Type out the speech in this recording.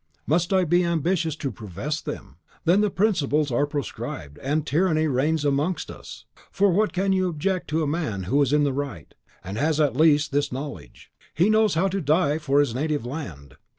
Must I be ambitious to profess them? then the principles are proscribed, and Tyranny reigns amongst us! For what can you object to a man who is in the right, and has at least this knowledge, he knows how to die for his native land!